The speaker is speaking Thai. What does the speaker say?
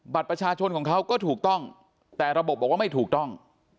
บัตรประชาชนของเขาก็ถูกต้องแต่ระบบบอกว่าไม่ถูกต้อง